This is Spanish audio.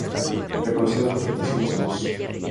Reconocida por su actuación y su voz.